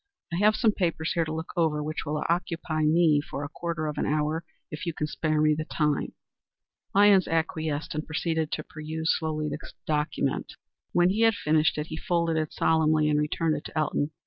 I have some papers here to look over which will occupy me a quarter of an hour, if you can spare me the time." Lyons acquiesced, and proceeded to peruse slowly the document. When he had finished it he folded it solemnly and returned it to Elton.